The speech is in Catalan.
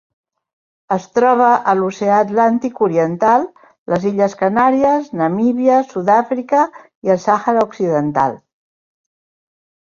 Es troba a l'Oceà Atlàntic oriental: les Illes Canàries, Namíbia, Sud-àfrica i el Sàhara Occidental.